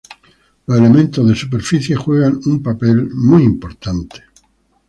Los elementos de superficie juegan un papel muy importante.